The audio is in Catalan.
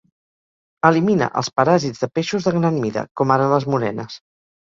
Elimina els paràsits de peixos de gran mida, com ara les morenes.